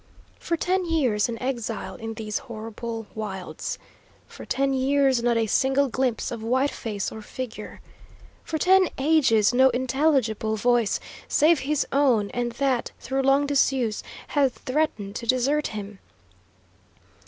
For ten years an exile in these horrible wilds. For ten years not a single glimpse of white face or figure. For ten ages no intelligible voice, save his own; and that, through long disuse, had threatened to desert him!